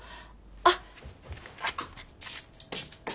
あっ。